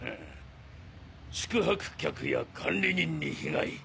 宿泊客や管理人に被害。